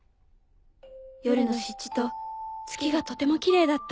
「夜の湿地と月がとてもきれいだった」。